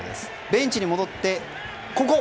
ベンチに戻って、ここ。